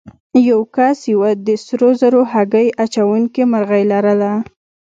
یو کس یوه د سرو زرو هګۍ اچوونکې مرغۍ لرله.